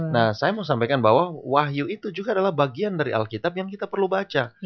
nah saya mau sampaikan bahwa wahyu itu juga adalah bagian dari alkitab yang kita perlu baca